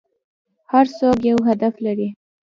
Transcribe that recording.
هر څوک یو هدف لري .